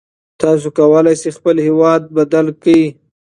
تاسو کولای شئ خپل هېواد بدل کړئ.